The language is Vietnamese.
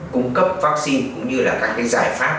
cung cấp vaccine cũng như là các cái giải pháp